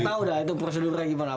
gak tau dah itu prosedurnya gimana